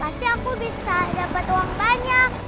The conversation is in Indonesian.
pasti aku bisa dapat uang banyak